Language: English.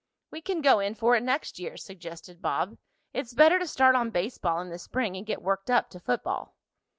"We can go in for it next year," suggested Bob. "It's better to start on baseball in the spring and get worked up to football."